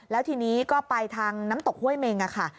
แล้วทีนี้ก็ไปทางน้ำตกห้วยเมงค่ะ